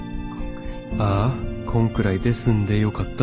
あぁこんくらいで済んでよかった